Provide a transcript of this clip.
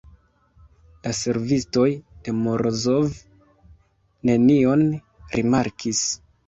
La servistoj de Morozov nenion rimarkis.